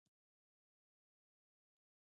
پلار خو مې له دې معلوماتو عاجز و.